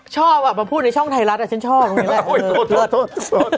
ชอบอ่ะมาพูดในช่องไทยรัฐอ่ะฉันชอบโอ้ยโทษโทษโทษ